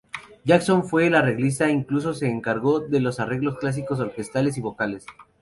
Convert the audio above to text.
Jackson fue el arreglista, incluso se encargó de los arreglos clásicos, orquestales y vocales.